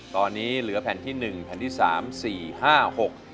ตอนนี้เหลือแผ่นที่หนึ่งแผ่นที่สามสี่ห้าหก